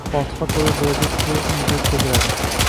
Fotiha to’yi bo’lajak kelin uyida o’tkaziladi.